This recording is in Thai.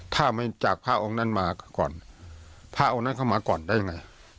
ถ้าไม่จากพระองค์นั้นมาก่อนพระองค์นั้นเข้ามาก่อนได้ยังไง